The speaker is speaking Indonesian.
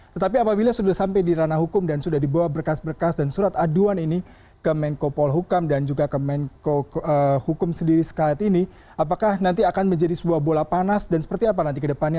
tetapi apabila sudah sampai di ranah hukum dan sudah dibawa berkas berkas dan surat aduan ini ke menko polhukam dan juga ke menko hukum sendiri sekalian ini apakah nanti akan menjadi sebuah bola panas dan seperti apa nanti ke depannya